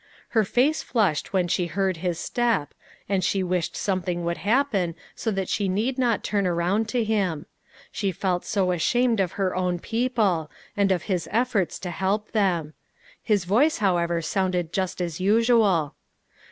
Her face flushed when PLEASURE AND DISAPPOINTMENT. 193 she heard his step, and she wished something would happen so that she'need not turn around to him. She felt so ashamed of her own people, and of his efforts to help them. His voice, however, sounded just as usual.